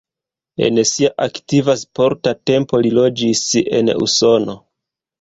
En sia aktiva sporta tempo li loĝis en Usono.